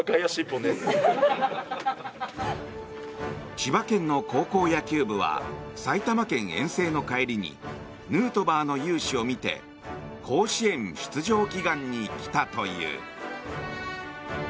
千葉県の高校野球部は埼玉県遠征の帰りにヌートバーの雄姿を見て甲子園出場祈願に来たという。